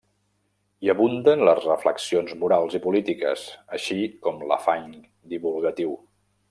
Hi abunden les reflexions morals i polítiques, així com l'afany divulgatiu.